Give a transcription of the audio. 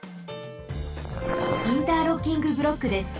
インターロッキングブロックです。